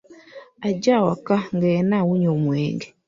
Ajja awaka nga yenna awunya omwenge.